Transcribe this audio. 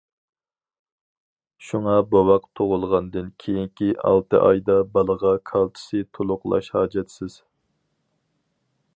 شۇڭا بوۋاق تۇغۇلغاندىن كېيىنكى ئالتە ئايدا بالىغا كالتسىي تولۇقلاش ھاجەتسىز.